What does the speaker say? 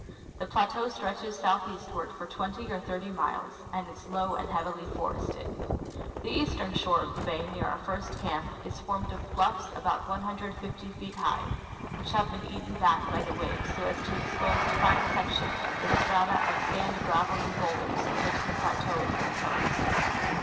The plateau stretches southeastward for twenty or thirty miles, and is low and heavily forested. The eastern shore of the bay near our first camp is formed of bluffs about 150 feet high, which have been eaten back by the waves so as to expose fine sections of the strata of sand, gravel and bowlders of which the plateau is composed.